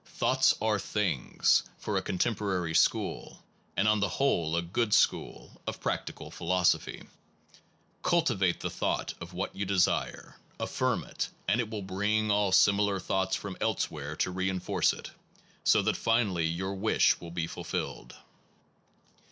Thoughts are things, for a contemporary school and on the whole a good school of practical philosophy. Cultivate the thought of what you desire, affirm it, and it will bring all sim ilar thoughts from elsewhere to reinforce it, so that finally your wish will be fulfilled.